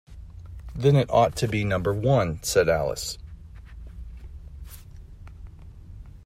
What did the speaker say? ‘Then it ought to be Number One,’ said Alice.